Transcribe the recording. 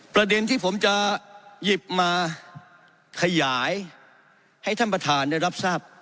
ประเด็นที่ผมจะหยิบมาขยายให้ท่านประธานได้รับทราบ